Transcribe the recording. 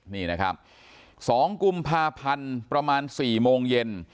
นี่นะครับ๒กุมภาพันธ์ประมาณ๔โมงเย็น